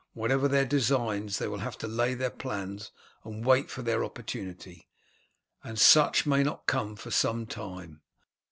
Whatever their designs they will have to lay their plans and wait their opportunity, and such may not come for some time.